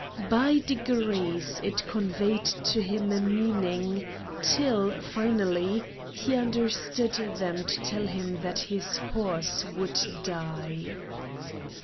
By degrees it conveyed to him a meaning, till, finally, he understood them to tell him that his horse would die.